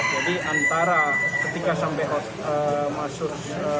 antara ketika sampai masuk